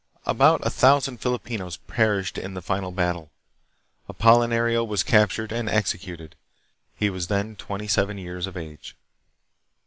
About a thousand Filipinos perished hi the final battle. Apolinario was captured and executed. He was then twenty seven years of age.